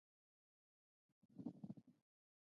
ازادي راډیو د سیاست د ستونزو حل لارې سپارښتنې کړي.